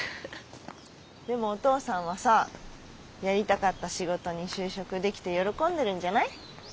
でもお父さんはさやりたかった仕事に就職できて喜んでるんじゃない？